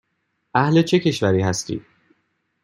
اهل چه کشوری هستی؟